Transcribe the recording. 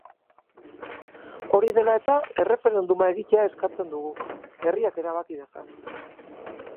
Hori dela eta, erreferenduma egitea eskatzen dugu, herriak erabaki dezan.